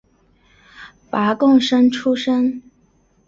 拔贡生出身。